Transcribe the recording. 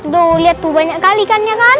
duh lihat tuh banyak kali ikannya kan